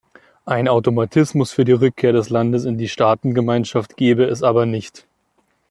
Ein Automatismus für die Rückkehr des Landes in die Staatengemeinschaft gebe es aber nicht.